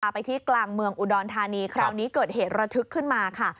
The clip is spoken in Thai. ไปที่กลางเมืองอุดรธานีคราวนี้เกิดเหตุระทึกขึ้นมาค่ะ